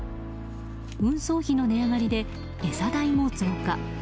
運送費の値上がりで餌代も増加。